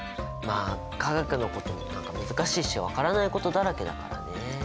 まあ化学のこと何か難しいし分からないことだらけだからね。